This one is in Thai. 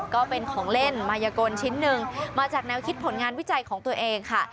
ก็เป็นของเล่นมายกลชิ้นหนึ่งมาจากแนวคิดผลงานวิจัยของตัวเองค่ะ